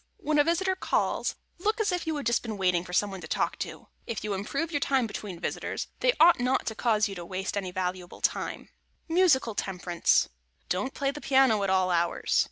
When a visitor calls, look as if you had just been waiting for some one to talk to. If you improve your time between visitors, they ought not to cause you to waste any valuable time. [Sidenote: MUSICAL TEMPERANCE] Don't play the piano at all hours.